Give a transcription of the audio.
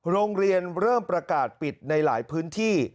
โรงเรียนเริ่มประกาศปิดในหลายพื้นที่